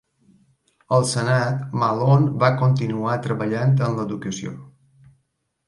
Al senat, Malone va continuar treballant en la educació.